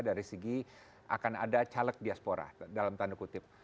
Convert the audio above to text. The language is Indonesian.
dari segi akan ada caleg diaspora dalam tanda kutip